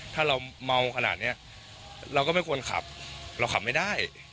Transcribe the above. ถ้าเราเมาขนาดนี้เราก็ไม่ควรขับเราขับไม่ได้